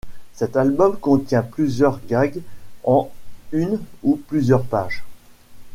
Cet album contient plusieurs gags en une ou plusieurs pages.